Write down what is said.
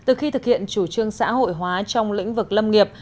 từ khi thực hiện chủ trương xã hội hóa trong lĩnh vực lâm nghiệp